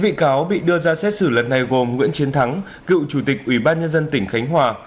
chín bị cáo bị đưa ra xét xử lần này gồm nguyễn chiến thắng cựu chủ tịch ủy ban nhân dân tỉnh khánh hòa